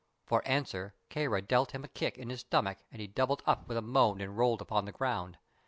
For answer Kāra dealt him a kick in his stomach and he doubled up with a moan and rolled upon the ground.